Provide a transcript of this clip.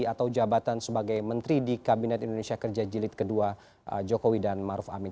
atau jabatan sebagai menteri di kabinet indonesia kerja jilid ii jokowi dan maruf amin